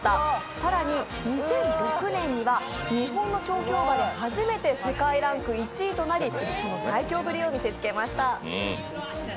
更に、２００６年には日本の調教馬で初めて世界ランク１位となり最強ぶりを見せつけました。